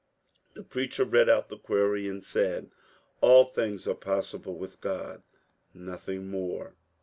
The preacher read out the query, and said, ^ All things are possible with God." Nothing more.